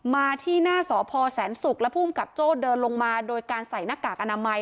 มาที่หน้าสพแสนศุกร์และภูมิกับโจ้เดินลงมาโดยการใส่หน้ากากอนามัย